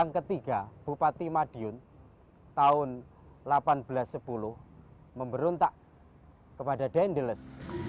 ketiga bupati madiun tahun seribu delapan ratus sepuluh memberontak kepada dendeles